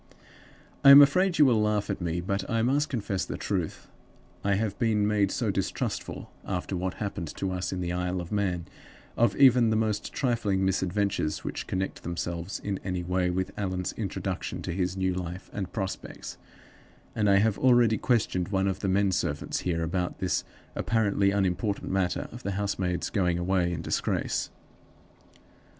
"I am afraid you will laugh at me, but I must confess the truth. I have been made so distrustful (after what happened to us in the Isle of Man) of even the most trifling misadventures which connect themselves in any way with Allan's introduction to his new life and prospects, that I have already questioned one of the men servants here about this apparently unimportant matter of the housemaid's going away in disgrace.